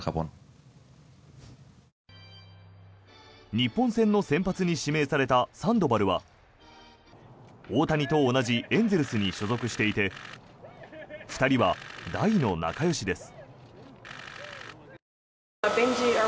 日本戦の先発に指名されたサンドバルは大谷と同じエンゼルスに所属していて２人は大の仲よしです。